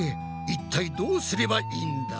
いったいどうすればいいんだ？